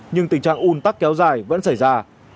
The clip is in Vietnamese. nhưng tình trạng un tắc kéo dài vẫn xảy ra